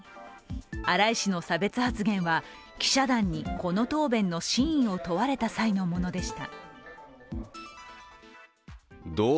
荒井氏の差別発言は記者団にこの答弁の真意を問われた際のものでした。